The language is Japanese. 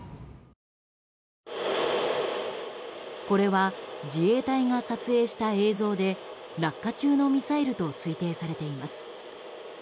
これは自衛隊が撮影した映像で落下中のミサイルと推定されています。